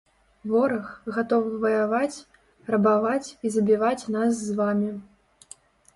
Вораг, гатовы ваяваць, рабаваць і забіваць нас з вамі.